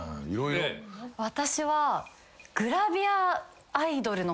私は。